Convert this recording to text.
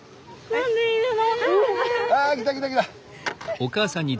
何でいるの？